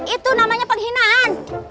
itu namanya penghinaan